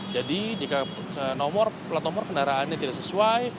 jadi jika pelet nomor kendaraannya tidak sesuai